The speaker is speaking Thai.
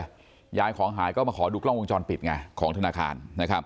ยายถ้าของหายก็มาขอดูกล้องวงจรปิดของธนาคาร